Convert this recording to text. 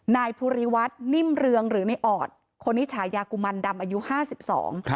นายภูริวัฒน์นิ่มเรืองหรือในออดคนนี้ฉายากุมันดำอายุห้าสิบสองครับ